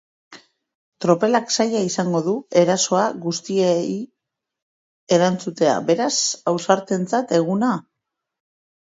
Tropelak zaila izango du erasoa guztie erantzutea, beraz, ausartentzat eguna?